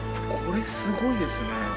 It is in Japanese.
これすごいですね。